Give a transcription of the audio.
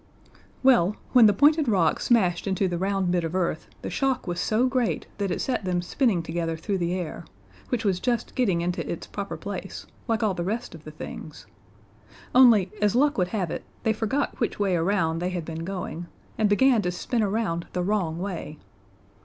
Well, when the pointed rock smashed into the round bit of earth the shock was so great that it set them spinning together through the air which was just getting into its proper place, like all the rest of the things only, as luck would have it, they forgot which way around they had been going, and began to spin around the wrong way.